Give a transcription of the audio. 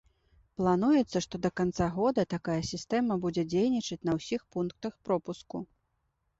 Плануецца, што да канца года такая сістэма будзе дзейнічаць на ўсіх пунктах пропуску.